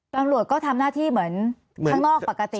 ตำรวจก็ทำหน้าที่เหมือนข้างนอกปกติ